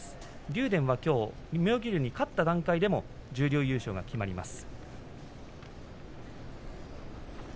竜電は、きょう妙義龍に勝った段階でも十両優勝が決まります。